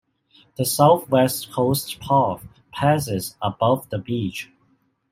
The South West Coast Path passes above the beach.